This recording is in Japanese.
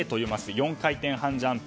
４回転半ジャンプ